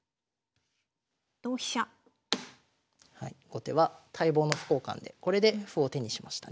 後手は待望の歩交換でこれで歩を手にしましたね。